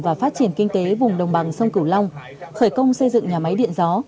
và phát triển kinh tế vùng đồng bằng sông cửu long khởi công xây dựng nhà máy điện gió